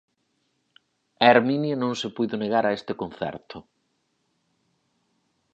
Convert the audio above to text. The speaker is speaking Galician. Herminia non se puido negar a este concerto.